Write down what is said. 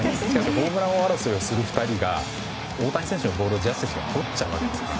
ホームラン王争いをする２人が大谷選手のボールをジャッジ選手がとるんですから。